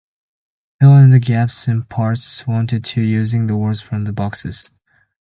Fill in the gaps in parts i-ii using the words from the boxes.